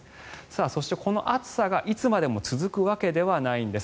そして、この暑さがいつまでも続くわけではないんです。